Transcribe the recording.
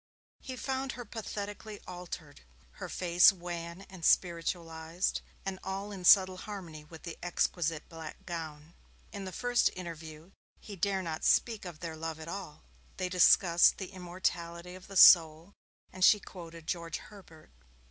He found her pathetically altered her face wan and spiritualized, and all in subtle harmony with the exquisite black gown. In the first interview, he did not dare speak of their love at all. They discussed the immortality of the soul, and she quoted George Herbert.